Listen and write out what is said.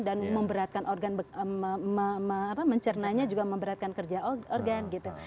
dan memperatkan organ mencernanya juga memberatkan kerja organ gitu